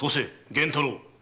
源太郎。